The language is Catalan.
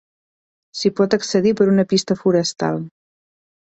S'hi pot accedir per una pista forestal.